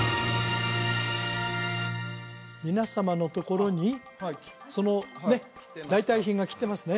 皆様のところにそのね代替品が来てますね